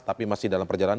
tapi masih dalam perjalanan